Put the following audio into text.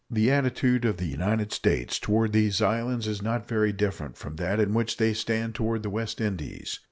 The attitude of the United States toward these islands is not very different from that in which they stand toward the West Indies.